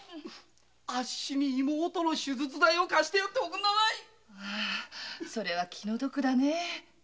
アッシに妹の手術代を貸してやって下せえそれは気の毒だねえ。